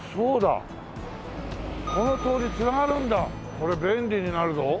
これ便利になるぞ。